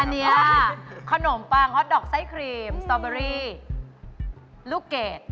อันนี้ขนมปังฮอตดอกไส้ครีมสตอเบอรี่ลูกเกด